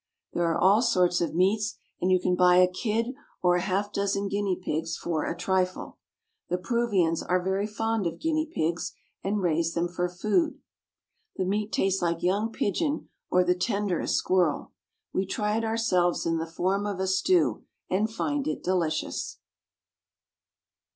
There are all sorts of meats, and you can buy a kid or a half dozen guinea pigs for a trifle. The Peru vians are very fond of guinea pigs, and raise them for food. The meat tastes like young pigeon or the tenderest squir rel. We try it ourselves in the form of a stew, and find it delicious.